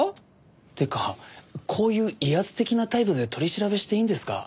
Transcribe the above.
ってかこういう威圧的な態度で取り調べしていいんですか？